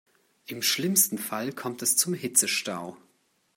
Im schlimmsten Fall kommt es zum Hitzestau.